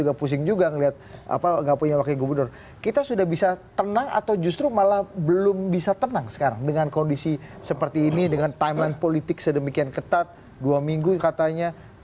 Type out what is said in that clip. juga pusing juga punya wakil gubernur kita sudah bisa tenang atau justru malah belum bisa tenang sekarang dengan kondisi seperti ini dengan timeline politik sedemikian ketat dua minggu katanya